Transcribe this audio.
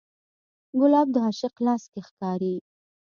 ګلاب د عاشق لاس کې ښکاري.